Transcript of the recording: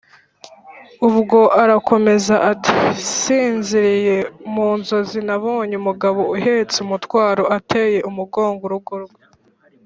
Ubwo arakomeza ati: Nsinziriye mu nzozi nabonye umugabo uhetse umutwaro ateye umugongo urugo rwe,